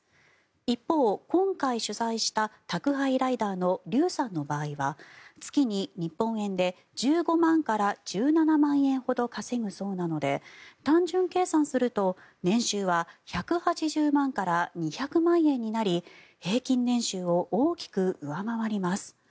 一方、今回取材した宅配ライダーのリュウさんの場合は月に日本円で１５万円から１７万円ほど稼ぐそうなので単純計算すると、年収は１８０万から２００万円になり平均年収を大きく上回ります。